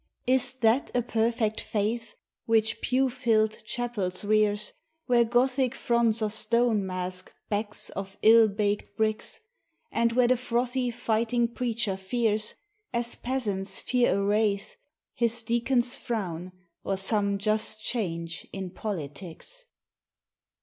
Is that a perfect faith Which pew filled chapels rears, Where Gothic fronts of stone mask backs of ill baked bricks, And where the frothy fighting preacher fears, As peasants fear a wraith, His deacon's frown or some just change in politics?